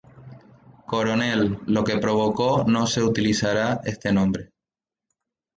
Coronel, lo que provocó que no se utilizara este nombre.